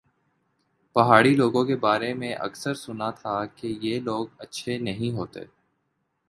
پہاڑی لوگوں کے بارے میں اکثر سنا تھا کہ یہ لوگ اچھے نہیں ہوتے